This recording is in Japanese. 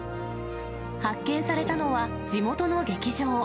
発見されたのは、地元の劇場。